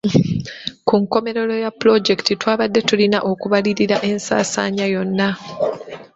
Ku nkomerero ya pulojekiti twabadde tulina okubalirira ensaasaanya yonna.